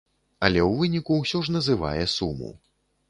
Але ў выніку ўсё ж называе суму.